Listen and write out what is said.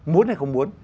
muốn hay không muốn